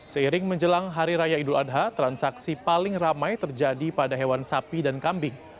seiring menjelang hari raya idul adha transaksi paling ramai terjadi pada hewan sapi dan kambing